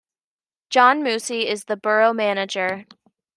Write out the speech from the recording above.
John Moosey is the borough manager.